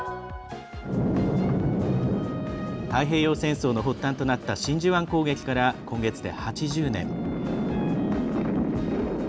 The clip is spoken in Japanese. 太平洋戦争の発端となった真珠湾攻撃から今月で８０年。